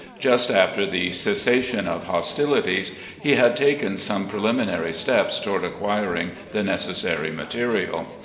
Just after the cessation of hostilities, he had taken some preliminary steps toward acquiring the necessary material.